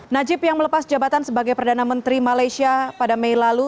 najib yang melepas jabatan sebagai perdana menteri malaysia pada mei lalu